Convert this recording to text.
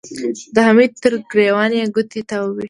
د حميد تر ګرېوان يې ګوتې تاوې کړې.